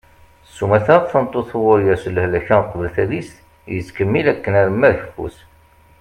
sumata tameṭṭut uɣur yers lehlak-a uqbel tadist yettkemmil akken arma d keffu-s